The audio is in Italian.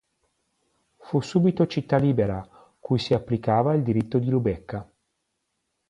Fu subito città libera, cui si applicava il diritto di Lubecca.